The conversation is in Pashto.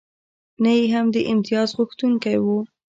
نه یې هم د امتیازغوښتونکی و.